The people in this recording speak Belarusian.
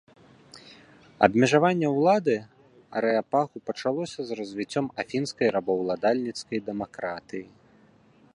Абмежаванне ўлады арэапагу пачалося з развіццём афінскай рабаўладальніцкай дэмакратыі.